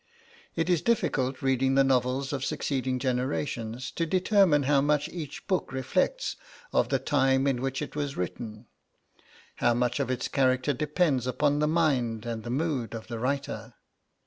It is difficult, reading the novels of succeeding generations, to determine how much each book reflects of the time in which it was written; how much of its character depends upon the mind and the mood of the writer.